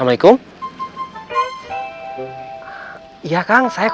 buat pak sob